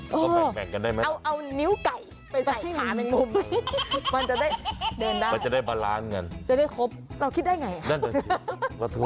ก็แปลกกันได้ไหมครับมันจะได้เดินได้จะได้ครบเราคิดได้ไง